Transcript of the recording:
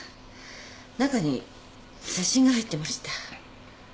中に写真が入ってました。